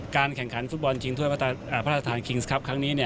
การแข่งขันฟุตบอลจิงทวนพระธรรมคิงส์คลับครั้งนี้